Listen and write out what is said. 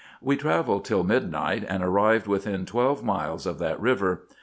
We travelled till mid night, and arrived within twelve miles of that river.